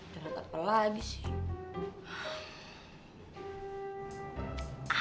jangan gak perlu lagi sih